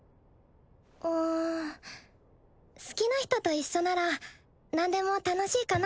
うん好きな人と一緒なら何でも楽しいかな